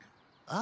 あ。